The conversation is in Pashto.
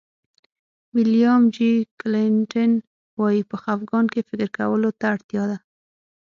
ویلیام جي کلنټن وایي په خفګان کې فکر کولو ته اړتیا ده.